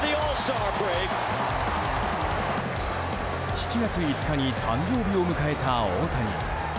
７月５日に誕生日を迎えた大谷。